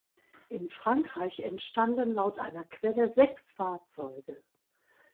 In Frankreich entstanden laut einer Quelle sechs Fahrzeuge.